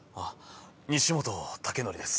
西本武徳です。